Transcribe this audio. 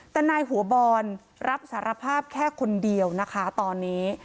แต่นายหัวบอลรับสารภาพแค่คนเดียวนะคะตอนนี้